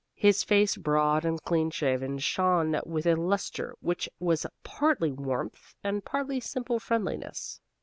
His face, broad and clean shaven, shone with a lustre which was partly warmth and partly simple friendliness.